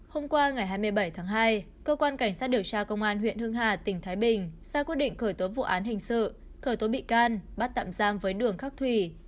hôm qua ngày hai mươi bảy tháng hai cơ quan cảnh sát điều tra công an huyện hưng hà tỉnh thái bình ra quyết định khởi tố vụ án hình sự khởi tố bị can bắt tạm giam với đường khắc thủy